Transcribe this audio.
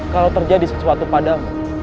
kalau terjadi sesuatu padamu